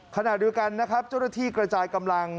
ขณะเดียวกันนะครับเจ้าหน้าที่กระจายกำลัง